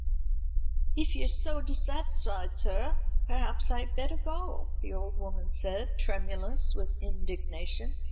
"If you're dissatisfied, sir, perhaps I'd better go," the old woman said, tremulous with indignation.